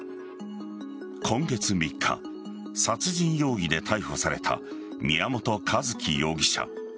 今月３日、殺人容疑で逮捕された宮本一希容疑者。